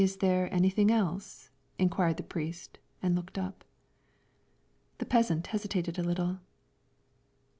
"Is there anything else?" inquired the priest, and looked up. The peasant hesitated a little.